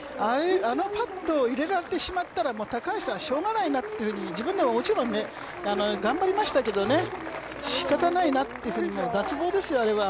あのパットを入れられてしまったらもう高橋さん、しょうがないなっていうふうに、自分でももちろん頑張りましたけどね、しかたないなっていうふうに、脱帽ですよ、あれは。